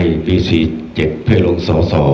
เมื่อที่๔ไว้เจ็บเพื่อลงส่อ